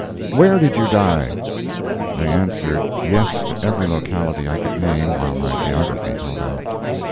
"Where did you die!" They answered yes to every locality I could name while my geography held out.